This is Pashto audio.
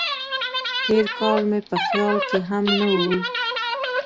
تېر کال مې په خیال کې هم نه و.